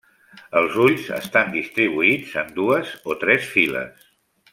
Els ulls estan distribuïts en dues o tres files.